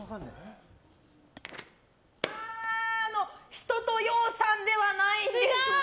一青窈さんではないんですね。